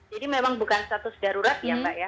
jadi memang bukan status darurat ya mbak ya